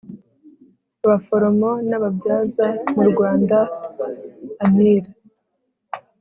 Abaforomo n ababyaza mu rwanda anir